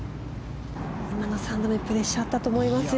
今の３打目プレッシャーがあったと思いますよ。